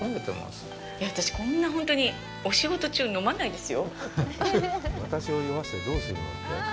私こんな、本当にお仕事中、飲まないですよ。